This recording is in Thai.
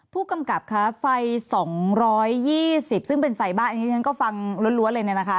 ผู้กำกับคะไฟ๒๒๐ซึ่งเป็นไฟบ้านอันนี้ฉันก็ฟังล้วนเลยเนี่ยนะคะ